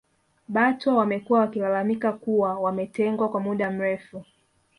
Batwa wamekuwa wakilalamika kuwa wametengwa kwa muda mrefu